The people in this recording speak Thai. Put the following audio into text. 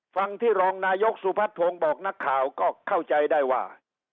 ฟังที่รองนายกสุพัฒนพงศ์บอกนักข่าวก็เข้าใจได้ว่า